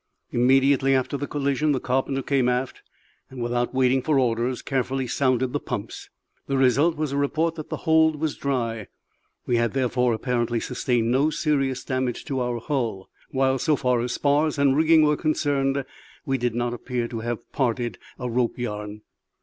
Immediately after the collision the carpenter came aft, and, without waiting for orders, carefully sounded the pumps. The result was a report that the hold was dry; we had therefore apparently sustained no serious damage to our hull; while, so far as spars and rigging were concerned, we did not appear to have parted a rope yarn.